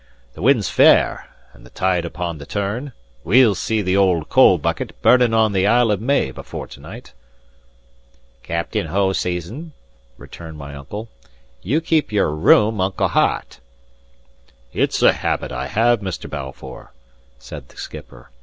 The wind's fair, and the tide upon the turn; we'll see the old coal bucket burning on the Isle of May before to night." "Captain Hoseason," returned my uncle, "you keep your room unco hot." "It's a habit I have, Mr. Balfour," said the skipper.